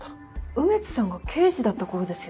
梅津さんが刑事だった頃ですよね？